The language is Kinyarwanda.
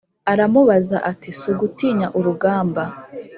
aramubaza ati"sugutinya urugamba